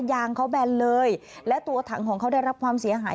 ยางเขาแบนเลยและตัวถังของเขาได้รับความเสียหาย